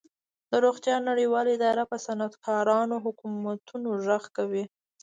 د روغتیا نړیواله اداره په صنعتکارو او حکومتونو غږ کوي